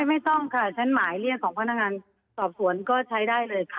ไม่ต้องค่ะชั้นหมายเรียกของพนักงานสอบสวนก็ใช้ได้เลยค่ะ